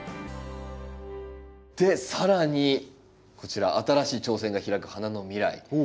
で更にこちら「新しい挑戦が拓く花の未来」。